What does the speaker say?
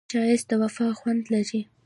ښایست د وفا خوند لري